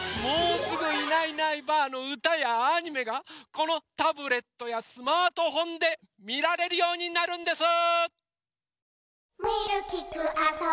もうすぐ「いないいないばあっ！」のうたやアニメがこのタブレットやスマートフォンでみられるようになるんです！